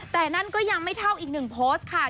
แต่นั่นก็ยังไม่เท่าอีกหนึ่งโพสต์ค่ะ